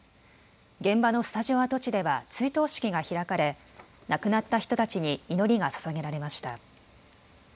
現場のスタジオ跡地では追悼式が開かれ亡くなった人たちに祈りがささげられました。